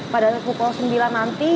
pada pukul sembilan nanti